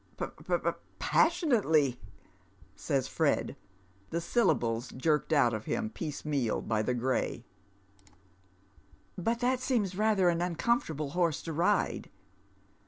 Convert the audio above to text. " P — p — passion — ate — ly," says Fred, the syllables jerked out of him piecemeal by the gray. " But that seems xather an uncomfortable horse to ride."